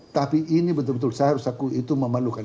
tapi ini betul betul saya harus aku itu memelukan